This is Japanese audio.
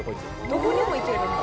どこにも行けるんだ。